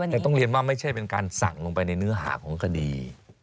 แต่ต้องเรียนว่าไม่ใช่เป็นการสั่งลงไปในเนื้อหาของคดี